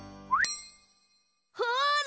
ほら！